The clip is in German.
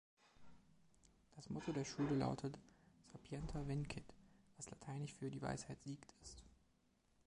Das Motto der Schule lautet „Sapienta Vincit“, was lateinisch für „Die Weisheit siegt“ ist.